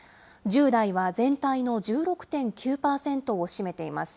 １０代は全体の１６．９％を占めています。